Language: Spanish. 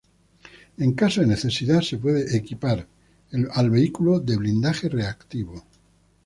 En caso de necesidad, se puede equipar al vehículo de blindaje reactivo.